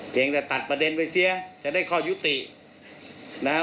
เพียงแต่ตัดประเด็นไปเสียจะได้ข้อยุตินะฮะ